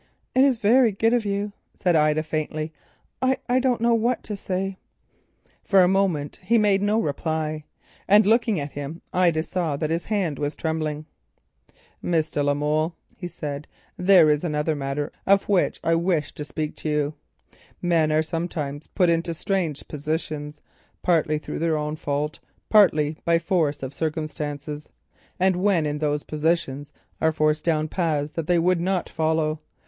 "It is very good of you," said Ida faintly, "I don't know what to say." For a moment he made no reply, and looking at him, Ida saw that his hand was trembling. "Miss de la Molle," he said, "there is another matter of which I wish to speak to you. Men are sometimes put into strange positions, partly through their own fault, partly by force of circumstances, and when in those positions, are forced down paths that they would not follow.